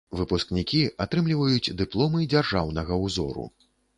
Выпускнікі атрымліваюць дыпломы дзяржаўнага ўзору.